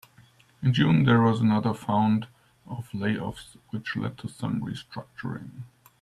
In June, there was another found of layoffs which led to some restructuring.